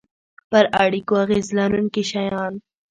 پر اړیکو اغیز لرونکي شیان